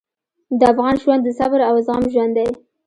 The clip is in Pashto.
د افغان ژوند د صبر او زغم ژوند دی.